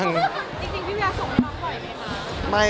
จริงพี่เวียส่งให้น้องบ่อยไหมคะ